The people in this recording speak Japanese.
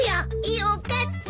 よかった！